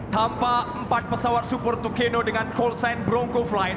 tampak empat pesawat super tukeno dengan coltsan bronco flight